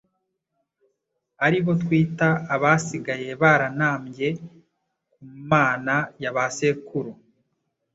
ari bo bitwa abasigaye baranambye ku Mana ya ba sekuru